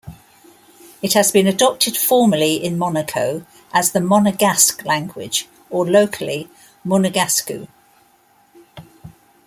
It has been adopted formally in Monaco as the Monegasque language; or locally, "Munegascu".